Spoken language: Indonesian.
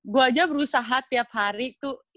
gue aja berusaha tiap hari tuh